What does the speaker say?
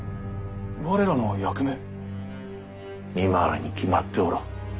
我らの役目？見回りに決まっておろう。